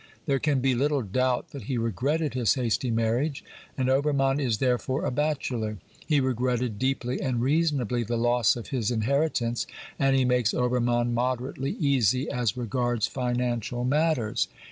There can be little doubt that he regretted his hasty marriage, and Obertnann is, therefore, a bachelor ; he regretted deeply and reasonably the loss of his inherit ance, and he makes Obermann moderately easy as regards financial matters.